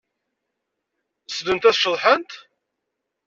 Ssnent ad ceḍḥent?